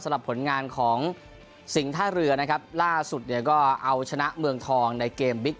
สำหรับผลงานของสิงท่าเรือนะครับล่าสุดเนี่ยก็เอาชนะเมืองทองในเกมบิ๊ก